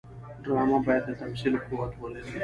ډرامه باید د تمثیل قوت ولري